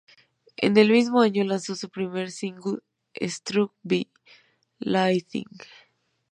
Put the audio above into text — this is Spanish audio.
En el mismo año, lanzó su primer single "Struck by Lightning".